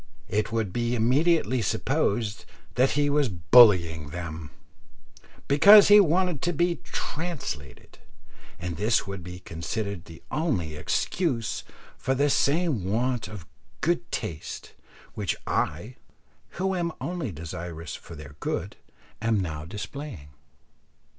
It would be immediately supposed that he was bullying them, because he wanted to be "translated;" and this would be considered the only excuse for the same want of "good taste" which I, who am only desirous for their good, am now displaying.